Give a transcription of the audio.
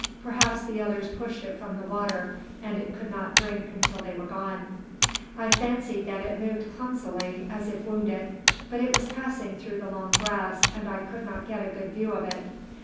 "Perhaps the others pushed it from the water, and it could not drink until they were gone." I fancied that it moved clumsily, as if wounded; but it was passing through the long grass, and I could not get a good view of it.